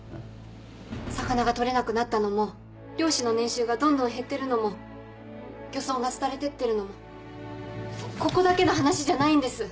魚が取れなくなったのも漁師の年収がどんどん減ってるのも漁村が廃れてってるのもここだけの話じゃないんです。